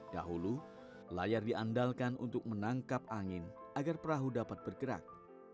dahulu layar diandalkan untuk menangkap angin agar perahu dapat bergerak